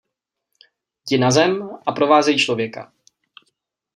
Jdi na zem a provázej člověka.